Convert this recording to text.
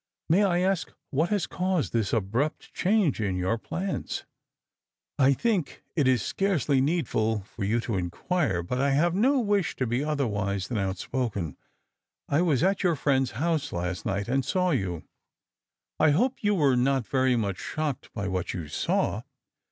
" May I aak wliat lias caused this abrupt change in your plans ?"" I think it is scarcely needful for you to inquire. But I have no wish to be otherwise than outspoken. I was at your friend'a house last night, and saw you." " I hope you were not very much shocked by what you saw."